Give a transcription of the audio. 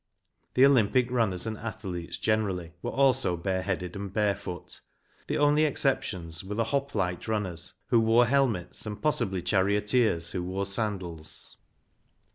6 The Olympic runners and athletes generally were also bareheaded and barefoot. The only exceptions were the hoplite runners, who wore helmets, and possibly charioteers, who wore sandals.